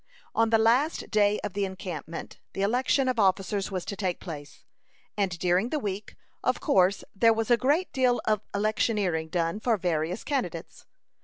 On the last day of the encampment, the election of officers was to take place, and during the week, of course there was a great deal of electioneering done for various candidates.